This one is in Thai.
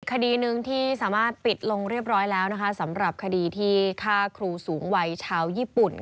คดีหนึ่งที่สามารถปิดลงเรียบร้อยแล้วนะคะสำหรับคดีที่ฆ่าครูสูงวัยชาวญี่ปุ่น